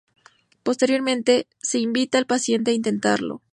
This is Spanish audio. Posteriormente, se invita al paciente a intentarlo.